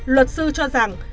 luật sư cho rằng